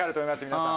皆さん。